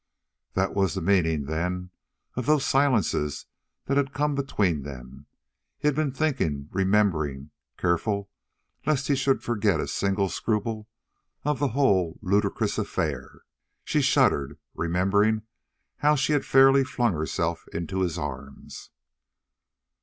That was the meaning, then, of those silences that had come between them? He had been thinking, remembering, careful lest he should forget a single scruple of the whole ludicrous affair. She shuddered, remembering how she had fairly flung herself into his arms.